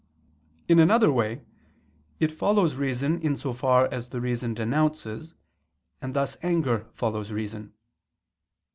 In another way, it follows reason in so far as the reason denounces, and thus anger follows reason.